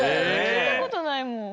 聞いたことないもん。